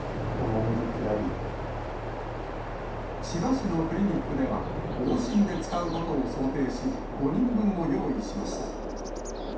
千葉市のクリニックでは、往診で使うことを想定し、５人分を用意しました。